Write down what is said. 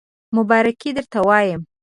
مبارکی درته وایم